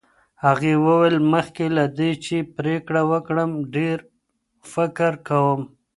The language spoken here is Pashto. هغې وویل، مخکې له دې چې پرېکړه وکړم ډېر فکر کوم.